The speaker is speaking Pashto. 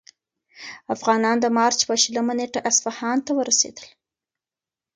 افغانان د مارچ په شلمه نېټه اصفهان ته ورسېدل.